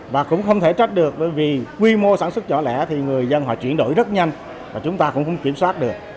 và cũng không thể trách được bởi vì quy mô sản xuất nhỏ lẻ thì người dân họ chuyển đổi rất nhanh và chúng ta cũng không kiểm soát được